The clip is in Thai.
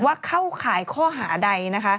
ว่าเข้าข่ายข้อหาใด